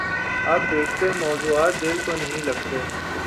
اب بیشتر موضوعات دل کو نہیں لگتے۔